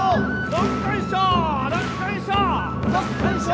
どっこいしょ！